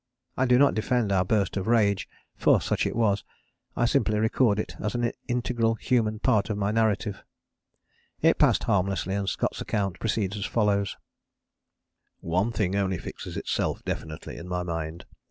I do not defend our burst of rage for such it was I simply record it as an integral human part of my narrative. It passed harmlessly; and Scott's account proceeds as follows: "One thing only fixes itself definitely in my mind.